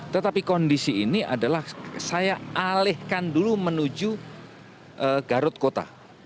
tetapi kondisi ini adalah saya alihkan dulu menuju garut kota